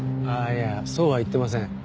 いやそうは言ってません。